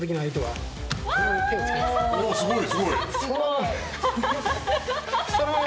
すごい！